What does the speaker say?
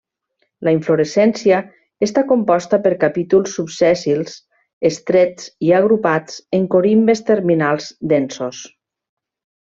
La inflorescència està composta per capítols subsèssils, estrets i agrupats en corimbes terminals densos.